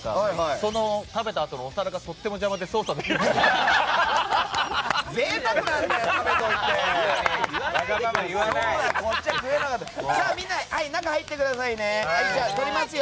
その食べたあとのお皿がとっても邪魔で贅沢なんだよ！